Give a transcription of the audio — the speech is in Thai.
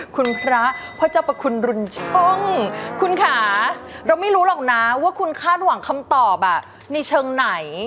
คุณพระพระเจ้าประคุณรุนช่องคุณค่ะเราไม่รู้หรอกนะว่าคุณคาดหวังคำตอบในเชิงไหน